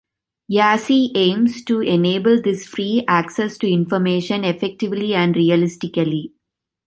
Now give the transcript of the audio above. YaCy aims to enable this free access to information effectively and realistically.